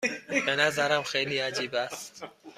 به نظرم خیلی عجیب است.